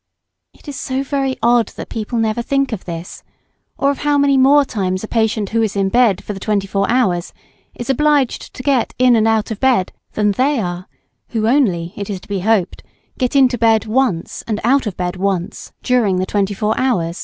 It is so very odd that people never think of this, or of how many more times a patient who is in bed for the twenty four hours is obliged to get in and out of bed than they are, who only, it is to be hoped, get into bed once and out of bed once during the twenty four hours.